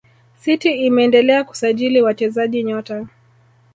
city imeendelea kusajili wachezaji nyota